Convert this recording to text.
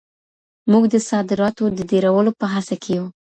موږ د صادراتو د ډېرولو په هڅه کي یو.